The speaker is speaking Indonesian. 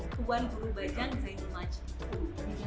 tuan guru bajang zainul maj